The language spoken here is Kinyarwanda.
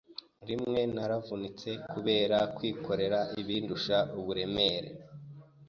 Rimwe naravunitse kubera kwikorera ibindusha uburemere,